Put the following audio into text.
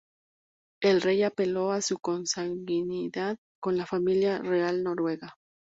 El rey apeló a su consanguinidad con la familia real noruega.